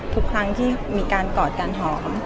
ทุกครั้งที่มีการกอดการหอม